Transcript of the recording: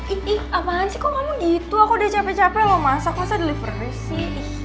ih ih apaan sih kok kamu gitu aku udah cape cape lo masak masa delivery sih